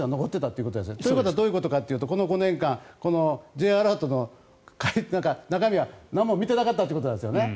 ということはどういうことかというとこの５年間、Ｊアラートの中身は何も見ていなかったということなんですよね。